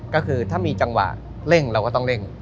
ก็คือถ้ามีจังหวะเร่งเราก็ต้องเร่ง